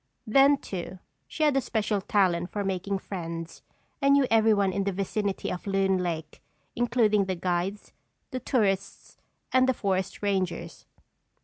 Then too, she had a special talent for making friends and knew everyone in the vicinity of Loon Lake, including the guides, the tourists and the forest rangers.